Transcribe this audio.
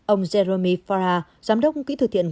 ông jeremy farrar giám đốc kỹ thừa thiện